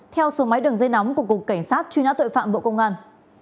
theo số máy đường dây nóng của cục cảnh sát truy nã tội phạm bộ công an